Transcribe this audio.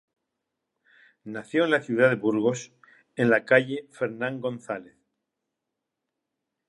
Nació en la ciudad de Burgos, en la calle Fernán González.